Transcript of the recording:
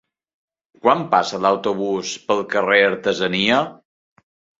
Quan passa l'autobús pel carrer Artesania?